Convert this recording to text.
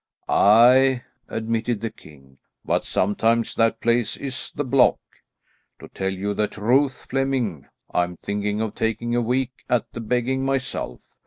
"Aye," admitted the king, "but sometimes that place is the block. To tell you the truth, Flemming, I'm thinking of taking a week at the begging myself.